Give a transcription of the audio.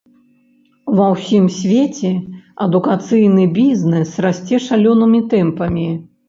Ва ўсім свеце адукацыйны бізнэс расце шалёнымі тэмпамі.